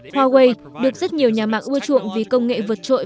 huawei được rất nhiều nhà mạng ưa chuộng vì công nghệ vượt trội